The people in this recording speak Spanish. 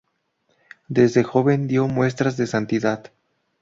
Desde joven dio muestras de Santidad.